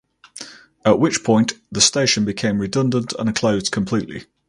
At which point the station became redundant and closed completely.